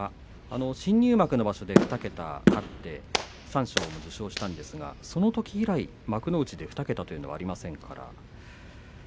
新入幕の場所で２桁勝って三賞も受賞したんですがそのとき以来幕内で２桁はありません。